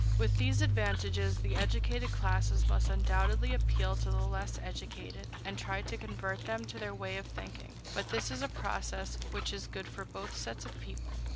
With these advantages, the educated classes must undoubtedly appeal to the less educated, and try to convert them to their way of thinking; but this is a process which is good for both sets of people.